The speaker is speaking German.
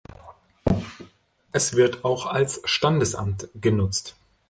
Es wird auch als Standesamt genutzt.